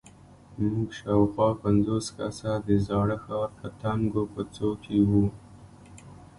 موږ شاوخوا پنځوس کسه د زاړه ښار په تنګو کوڅو کې وو.